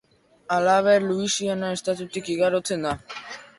Halaber Luisiana estatutik igarotzen da.